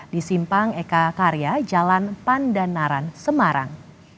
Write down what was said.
di simpang eka karya jalan pandanaran semarang